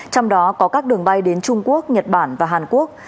trong đó có các đường bay đến trung quốc nhật bản và hàn quốc